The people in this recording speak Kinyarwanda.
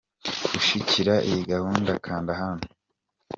Gushyigikira iyi Gahunda kanda hano www.